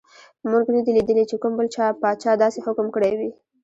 موږ نه دي لیدلي چې کوم بل پاچا داسې حکم کړی وي.